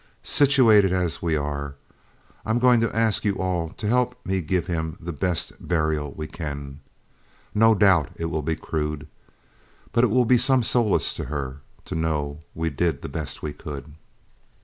Situated as we are, I'm going to ask you all to help me give him the best burial we can. No doubt it will be crude, but it will be some solace to her to know we did the best we could."